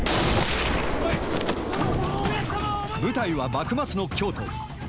舞台は幕末の京都。